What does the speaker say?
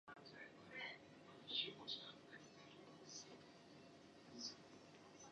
The Speaker was James Cockburn.